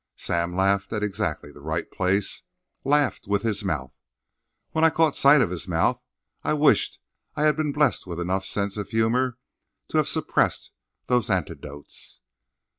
Sam laughed at exactly the right place—laughed with his mouth. When I caught sight of his mouth, I wished I had been blessed with enough sense of humour to have suppressed those anecdotes.